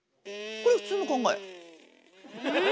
これ普通の考え。